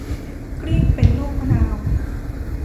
กลิ้งเป็นลูกมะนาว